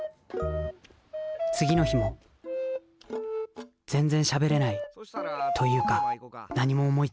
次の日も全然しゃべれないというか何も思いつかず。